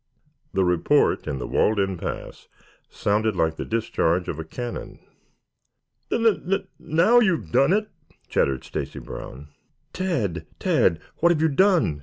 The report, in the walled in pass, sounded like the discharge of a cannon. "N n n now you've done it," chattered Stacy Brown. "Tad, Tad! What have you done?"